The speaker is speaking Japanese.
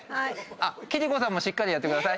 貴理子さんもしっかりやってください。